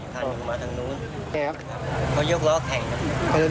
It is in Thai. คันหนึ่งแซงตูดลงไปอีกคันหนึ่งมาทางนู้น